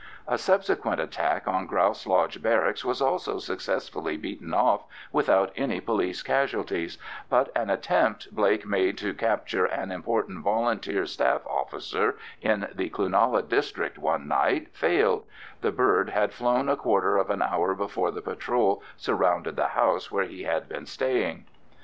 A subsequent attack on Grouse Lodge Barracks was also successfully beaten off without any police casualties; but an attempt Blake made to capture an important Volunteer staff officer in the Cloonalla district one night failed—the bird had flown a quarter of an hour before the patrol surrounded the house where he had been staying.